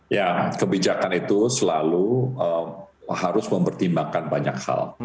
ya kebijakan itu selalu harus mempertimbangkan banyak hal